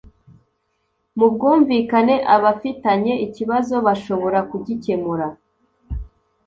mu bwumvikane abafitanye ikibazo bashobora kugikemura